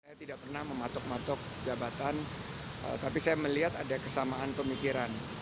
saya tidak pernah mematok matok jabatan tapi saya melihat ada kesamaan pemikiran